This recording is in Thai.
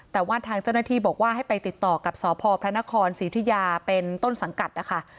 แต่ว่าทางเจ้าหน้าที่บอกว่าให้ไปติดต่อกับสพพระนครศรีอุทิยาเป็นต้นสังกัดนะคะ